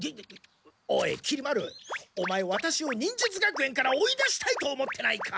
おいきり丸オマエワタシを忍術学園から追い出したいと思ってないか？